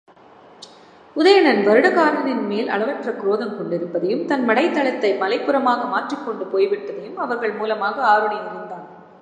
உதயணன் வருடகாரனின்மேல் அளவற்ற குரோதங்கொண்டிருப்பதையும், தன் படைத் தளத்தை மலைப்புறமாக மாற்றிக்கொண்டு போய்விட்டதையும் அவர்கள் மூலமாக ஆருணி அறிந்தான்.